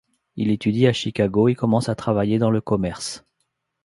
Il étudie à Chicago et commence à travailler dans le commerce.